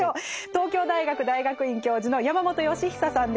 東京大学大学院教授の山本芳久さんです。